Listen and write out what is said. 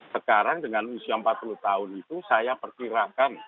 sekarang dengan usia empat puluh tahun itu saya perkirakan